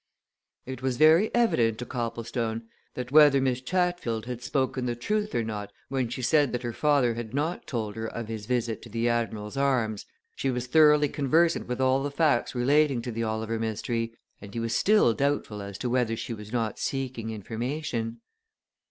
It was very evident to Copplestone that whether Miss Chatfield had spoken the truth or not when she said that her father had not told her of his visit to the "Admiral's Arms," she was thoroughly conversant with all the facts relating to the Oliver mystery, and he was still doubtful as to whether she was not seeking information.